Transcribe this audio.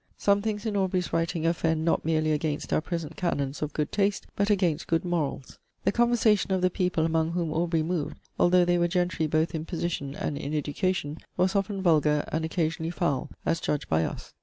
Some things in Aubrey's writing offend not merely against our present canons of good taste, but against good morals. The conversation of the people among whom Aubrey moved, although they were gentry both in position and in education, was often vulgar, and occasionally foul, as judged by us.